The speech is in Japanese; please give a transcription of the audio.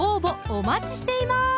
お待ちしています